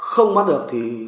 không bắt được thì